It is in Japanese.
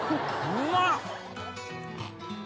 うまっ！